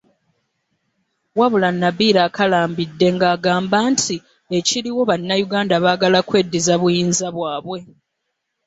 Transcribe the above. Wabula Nabillah akalambidde ng'agamba nti ekiriwo Bannayuganda baagala kweddiza buyinza bwabwe